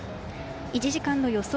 １時間の予想